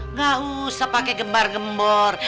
nggak usah pakai gembar gembor